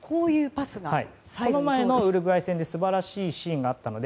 この前のウルグアイ戦で素晴らしいシーンがありました。